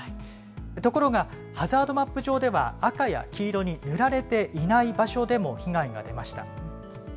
ところが、ハザードマップ上では赤や黄色に塗られていない場所でも被害が出ました。